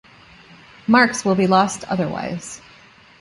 Marks will be lost otherwise.